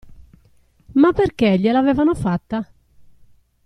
Ma perché gliel'avevano fatta?